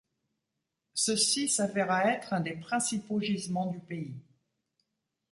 Ceci s'avéra être un des principaux gisements du pays.